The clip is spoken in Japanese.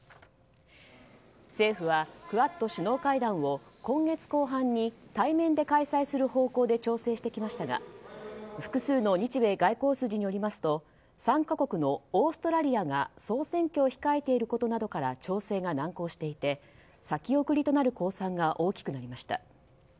政府は、クアッド首脳会談を今月後半に対面で開催する方向で調整してきましたが複数の日米外交筋によりますと３か国のオーストラリアが総選挙を控えていることなどから調整が難航していて先送りとなる公算が大きくなりました。